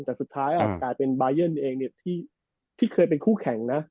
แต่สุดท้ายกลายเป็นบายันเองที่เคยเป็นคู่แข่งนะ